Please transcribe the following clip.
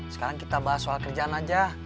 sekarang kita bahas soal kerjaan aja